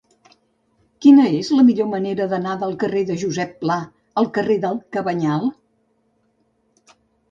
Quina és la millor manera d'anar del carrer de Josep Pla al carrer del Cabanyal?